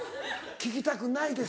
聞きたくないです。